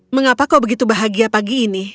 mengapa kau begitu bahagia pagi ini